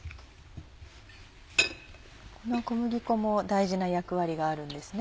この小麦粉も大事な役割があるんですね。